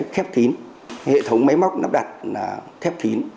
khép kín hệ thống máy móc nắp đặt là khép kín